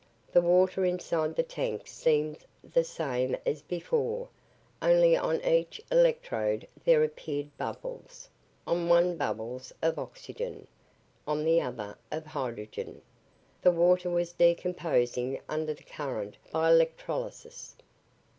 The water inside the tank seemed the same as before, only on each electrode there appeared bubbles, on one bubbles of oxygen, on the other of hydrogen. The water was decomposing under the current by electrolysis.